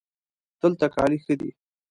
دلته کالي ښه دي